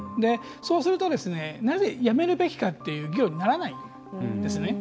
そうするとなぜ、やめるべきかという議論にならないんですね。